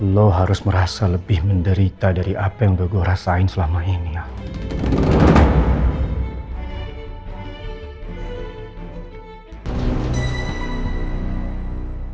lo harus merasa lebih menderita dari apa yang udah gue rasain selama ini al